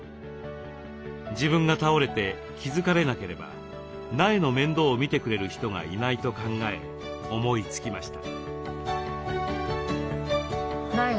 自分が倒れて気付かれなければ苗の面倒をみてくれる人がいないと考え思いつきました。